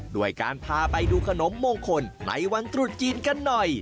ด้วยการพาไปดูขนมมงคลในวันตรุษจีนกันหน่อย